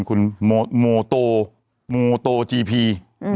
ใช่ไหมนี่คุณโมโต้โมโต้จีพี